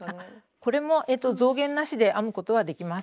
これも増減なしで編むことはできます。